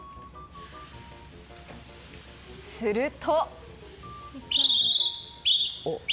すると。